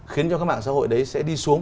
khiến cho các mạng xã hội đấy sẽ đi xuống